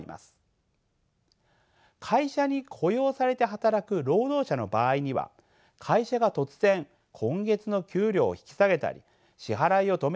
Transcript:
会社に雇用されて働く労働者の場合には会社が突然今月の給料を引き下げたり支払いを止めたりすることはできません。